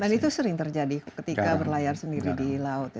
dan itu sering terjadi ketika berlayar sendiri di laut